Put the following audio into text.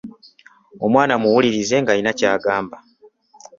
Omwana muwulirize ng’alina ky’agamba.